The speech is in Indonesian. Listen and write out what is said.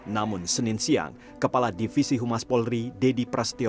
namun senin siang kepala divisi humas polri deddy prasetyo